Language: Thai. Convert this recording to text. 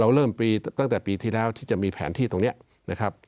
เริ่มปีตั้งแต่ปีที่แล้วที่จะมีแผนที่ตรงนี้นะครับ